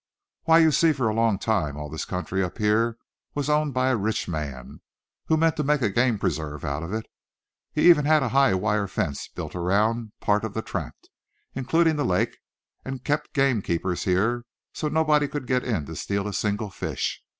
"Why, you see for a long time all this country up here was owned by a rich man, who meant to make a game preserve out of it. He even had a high wire fence built around part of the tract, including the lake, and kept game keepers here, so nobody could get in to steal a single fish.